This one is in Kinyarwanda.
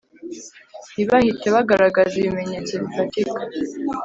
ntibahite bagaragaza ibimenyetso bifatika